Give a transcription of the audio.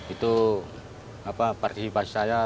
itu partisipasi saya